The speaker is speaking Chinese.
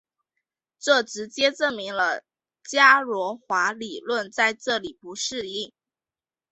这直接证明了伽罗华理论在这里不适用。